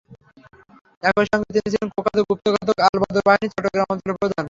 এক্ই সঙ্গে তিনি ছিলেন কুখ্যাত গুপ্তঘাতক আলবদর বাহিনীর চট্টগ্রাম অঞ্চলের প্রধান।